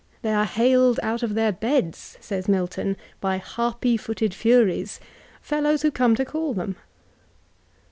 They are "haled " out of their "beds," says Milton, by "harpy footed fiuries," — fellows who come to call them.